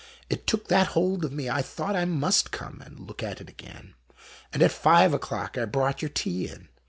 It took that hold of me I thought I must come and look at it again, and at five o'clock I brought your tea in.